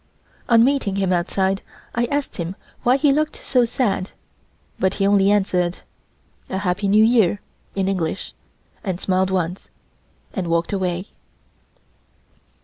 On meeting him outside, I asked him why he looked so sad, but he only answered: "A Happy New Year" in English, smiled once, and walked away.